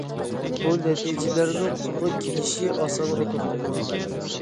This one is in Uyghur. بۇ نەتىجىلەرنىڭ قولغا كېلىشى ئاسانغا توختىمىدى.